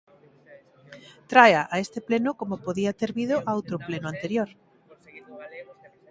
Tráea a este pleno como podía ter vido a outro pleno anterior.